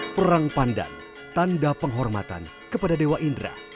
perang pandan tanda penghormatan kepada dewa indra